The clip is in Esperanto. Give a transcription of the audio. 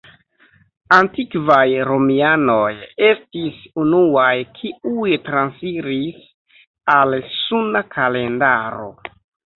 Antikvaj Romianoj estis unuaj, kiuj transiris al Suna kalendaro.